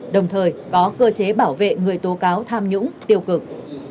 đồng thời có cơ chế bảo vệ người tố cáo tham nhũng tiêu cực